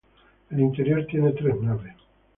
El interior tiene tres naves.